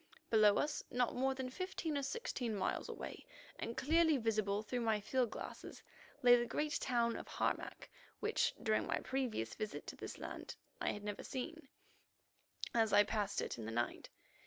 Below us, not more than fifteen or sixteen miles away, and clearly visible through my field glasses, lay the great town of Harmac, which, during my previous visit to this land, I had never seen, as I passed it in the night.